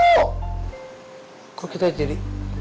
kok kita jadi